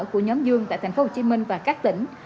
của nhóm dương tại tp hcm và các tỉnh